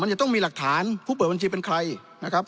จะต้องมีหลักฐานผู้เปิดบัญชีเป็นใครนะครับ